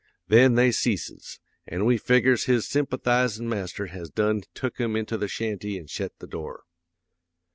Then they ceases; an' we figgers his sympathizin' master has done took him into the shanty an' shet the door.